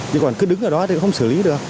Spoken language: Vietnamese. nhưng còn cứ đứng ở đó thì không xử lý được